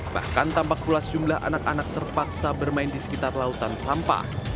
bahkan tampak pula sejumlah anak anak terpaksa bermain di sekitar lautan sampah